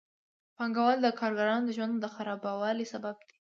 پانګوال د کارګرانو د ژوند د خرابوالي سبب دي